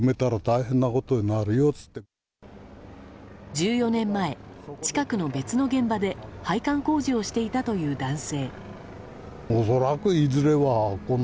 １４年前、近くの別の現場で配管工事をしていたという男性。